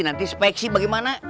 nanti speksi bagaimana